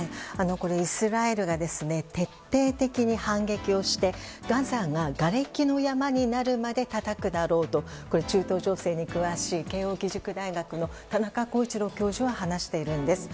イスラエルが徹底的に反撃をしてガザが、がれきの山になるまでたたくだろうと中東情勢に詳しい慶應義塾大学の田中浩一郎教授は話しているんです。